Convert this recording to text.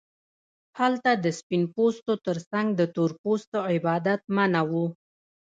هلته د سپین پوستو ترڅنګ د تور پوستو عبادت منع و.